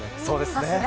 そうですね。